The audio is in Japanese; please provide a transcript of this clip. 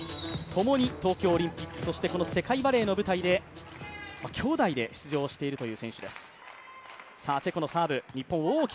共に東京オリンピック、そして世界バレーの舞台できょうだいで出場しているという選手です。